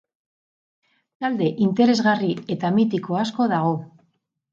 Talde interesgarri eta mitiko asko dago.